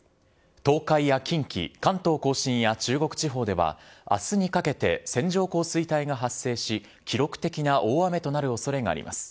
東海や近畿、関東甲信や中国地方では、あすにかけて線状降水帯が発生し、記録的な大雨となるおそれがあります。